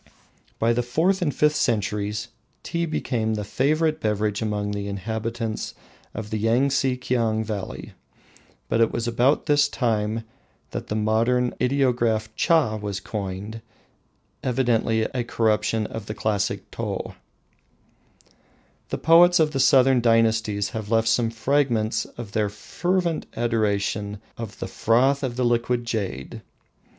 By the fourth and fifth centuries Tea became a favourite beverage among the inhabitants of the Yangtse Kiang valley. It was about this time that modern ideograph Cha was coined, evidently a corruption of the classic Tou. The poets of the southern dynasties have left some fragments of their fervent adoration of the "froth of the liquid jade."